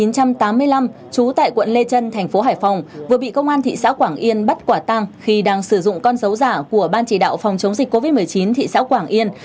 năm một nghìn chín trăm tám mươi năm chú tại quận lê trân thành phố hải phòng vừa bị công an thị xã quảng yên bắt quả tăng khi đang sử dụng con dấu giả của ban chỉ đạo phòng chống dịch covid một mươi chín thị xã quảng yên